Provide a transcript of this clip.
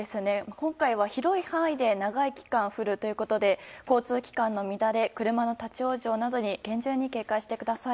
今回は広い範囲で長い時間降るということで交通機関の乱れ車の立ち往生などに厳重に警戒してください。